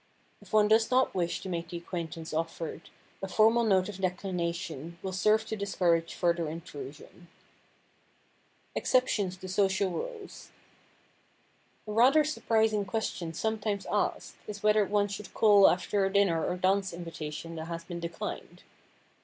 If one does not wish to make the acquaintance offered a formal note of declination will serve to discourage further intrusion. [Sidenote: EXCEPTIONS TO SOCIAL RULES] A rather surprising question sometimes asked is whether one should call after a dinner or dance invitation that has been declined.